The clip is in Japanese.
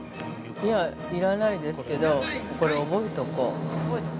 ◆いや、要らないですけどこれ覚えとこう。